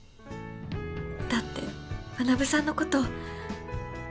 だって学さんのこと。